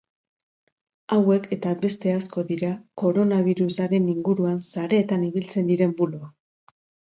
Hauek eta beste asko dira koronabirusaren inguruan sareetan ibiltzen diren buloak.